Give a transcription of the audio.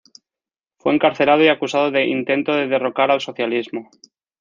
Fue encarcelado y acusado de "intento de derrocar al socialismo".